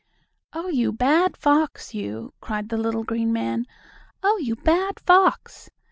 "Oh, you bad fox, you!" cried the little green man. "Oh, you bad fox!